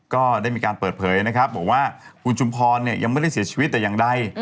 ก็ได้มีการเปิดเผยนะครับบอกว่าคุณชุมพรเนี่ยยังไม่ได้เสียชีวิตแต่อย่างใด